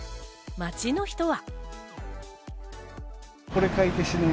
街の人は。